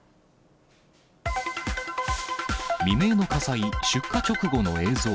未明の火災、出火直後の映像。